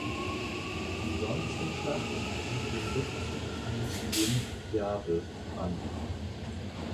Isonzoschlacht und dem Rückzug an den Piave an.